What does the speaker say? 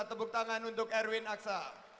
tepuk tangan untuk erwin aksa